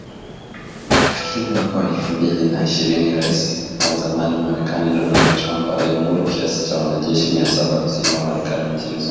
Lakini mwaka wa elfu mbili na ishirini Rais wa zamani Marekani Donald Trump aliamuru kiasi cha wanajeshi mia saba hamsini wa Marekani nchini Somalia.